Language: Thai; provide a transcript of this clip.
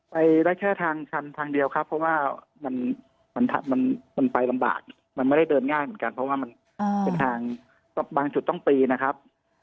ไปได้แค่ทางชันทางเดียวครับเพราะว่ามันไปลำบากมันไม่ได้เดินง่ายเหมือนกันเพราะว่ามันเป็นทางบางจุดต้องตีนะครับ